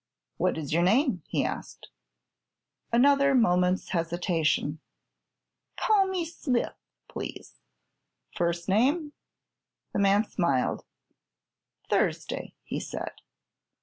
"What is your name?" he asked. Another moment's hesitation. "Call me Smith, please." "First name?" The man smiled. "Thursday," he said.